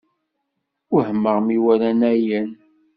Wehmen mi walan ayen.